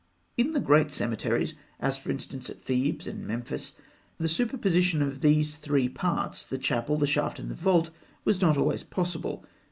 In the great cemeteries, as for instance at Thebes and Memphis, the superposition of these three parts the chapel, the shaft, and the vault was not always possible.